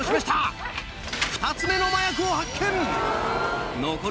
２つ目の麻薬を発見。